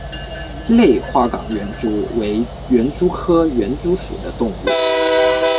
类花岗园蛛为园蛛科园蛛属的动物。